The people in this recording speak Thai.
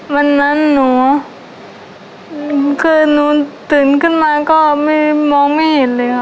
วันนั้นหนูคือหนูตื่นขึ้นมาก็ไม่มองไม่เห็นเลยค่ะ